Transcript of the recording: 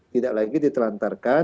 tidak lagi ditelantarkan